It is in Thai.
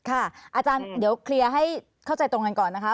อาจารย์เดี๋ยวเคลียร์ให้เข้าใจตรงกันก่อนนะคะ